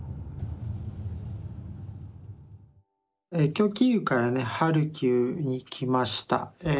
今日キーウからねハルキウに来ました。